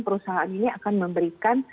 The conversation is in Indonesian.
perusahaan ini akan memberikan